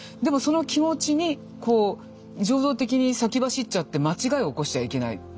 でもその気持ちにこう情動的に先走っちゃって間違いを起こしちゃいけない。